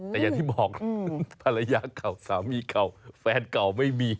แต่อย่างที่บอกภรรยาเก่าสามีเก่าแฟนเก่าไม่มี